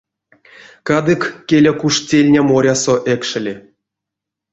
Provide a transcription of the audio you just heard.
Кадык, келя, куш тельня морясо экшели.